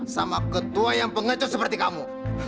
sama ketua yang pengecut seperti kamu